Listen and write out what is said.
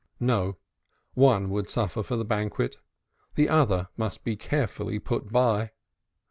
No, one would suffice for the banquet, the other must be carefully put by.